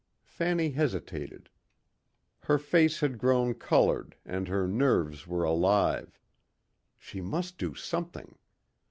Fanny hesitated. Her face had grown colored and her nerves were alive. She must do something.